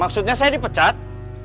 maksudnya saya dipecat